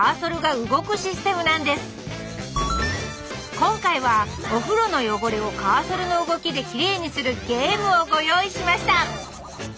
今回はお風呂の汚れをカーソルの動きできれいにするゲームをご用意しました！